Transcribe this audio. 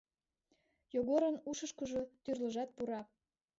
Йогорын ушышкыжо тӱрлыжат пура...